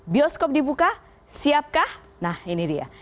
bioskop dibuka siapkah nah ini dia